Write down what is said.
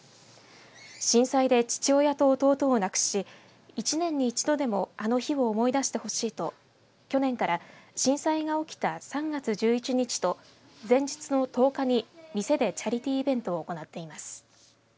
震災で父親と弟を亡くし１年に一度でもあの日を思い出してほしいと去年から震災が起きた３月１１日と前日の１０日に、店でチャリティーイベントを行っています。